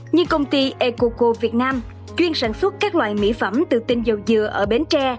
như công ty ecoco việt nam chuyên sản xuất các loại mỹ phẩm từ tinh dầu dừa ở bến tre